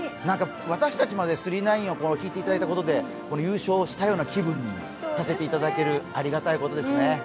私たちまで「９９９」を聴いていただいたことで優勝したような気分にさせていただける、ありがたいことですね。